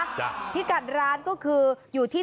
สมัครที่กัดร้านก็คืออยู่ที่